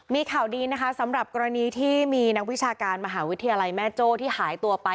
มีข่าวดีนะคะสำหรับกรณีที่มีนักวิชาการมหาวิทยาลัยแม่โจ้ที่หายตัวไป